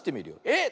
えっ！